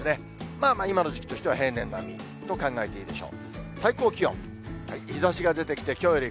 まあ、今の時期としては平年並みと考えていいでしょう。